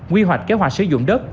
quy hoạch kế hoạch sử dụng đất